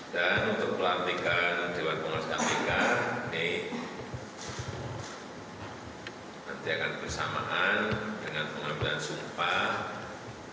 dan untuk pelatihan dewan pengawas kpk ini nanti akan bersamaan dengan pengambilan sumpah